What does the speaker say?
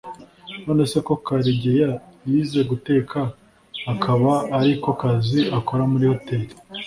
None se ko Karegeya yize guteka akaba ari ko kazi akora muri hoteri,